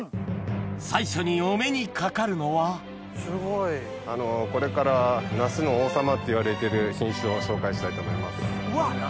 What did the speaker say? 最初にお目にかかるのはこれから「ナスの王様」っていわれてる品種を紹介したいと思います。